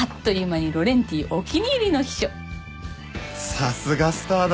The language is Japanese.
さすがスタアだ。